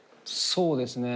そうですね。